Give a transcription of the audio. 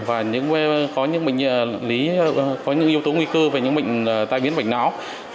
và có những yếu tố nguy cư về những bệnh tai biến mạch máu